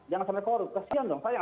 jangan sampai korup kasihan dong saya yang